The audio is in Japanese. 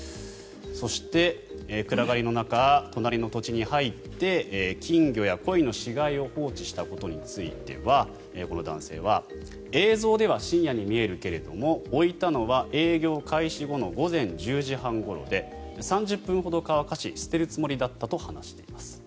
そして暗がりの中、隣の土地に入って金魚やコイの死骸を放置したことについてはこの男性は映像では深夜に見えるけれども置いたのは営業開始後の午前１０時半ごろで３０分ほど乾かし捨てるつもりだったと話しています。